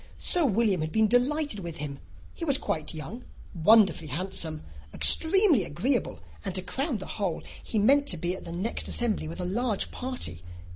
Sir William had been delighted with him. He was quite young, wonderfully handsome, extremely agreeable, and, to crown the whole, he meant to be at the next assembly with a large party.